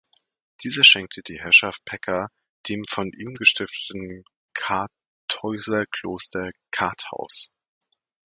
Dieser schenkte die Herrschaft Pecka dem von ihm gestifteten Kartäuserkloster Karthaus.